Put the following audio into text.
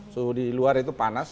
suhu di luar itu panas